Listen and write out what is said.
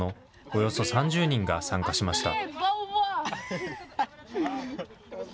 およそ３０人が参加しました。